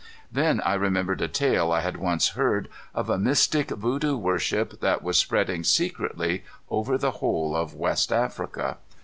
Then I remembered a tale I had once heard, of a mystic voodoo worship that was spreading secretly over the whole of West Africa.